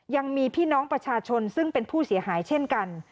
ยังมีพี่น้องประชาชนซึ่งเป็นผู้เสียหายเช่นกัน